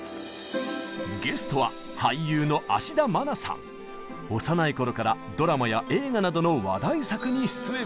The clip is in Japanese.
ゲストは幼い頃からドラマや映画などの話題作に出演。